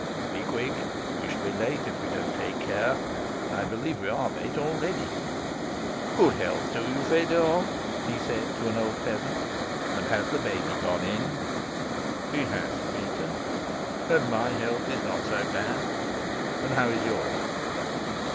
"Be quick. We shall be late if we don't take care. I believe we are late already. Good health to you, Fedor," he said to an old peasant; "and has the baby gone in?" "He has, Peter. And my health is not so bad; and how is yours?"